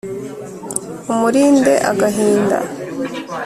Umulinde agahinda